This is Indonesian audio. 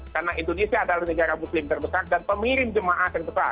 karena indonesia adalah negara muslim terbesar dan pemirim jemaah terbesar